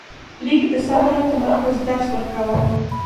لیک د صبر او تمرکز درس ورکاوه.